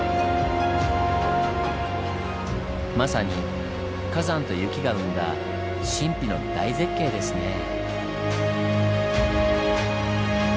まさに火山と雪が生んだ神秘の大絶景ですねぇ。